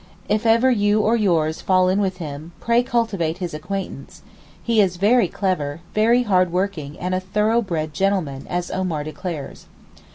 If ever you or yours fall in with him, pray cultivate his acquaintance, he is very clever, very hard working, and a 'thorough bred gentleman' as Omar declares.